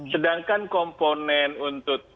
sedangkan komponen untuk